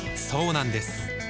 そうなんです